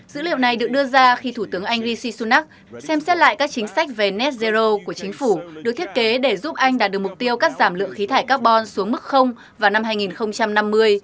dữ liệu này được đưa ra khi thủ tướng anh rishi sunak xem xét lại các chính sách về net zero của chính phủ được thiết kế để giúp anh đạt được mục tiêu cắt giảm lượng khí thải carbon xuống mức vào năm hai nghìn năm mươi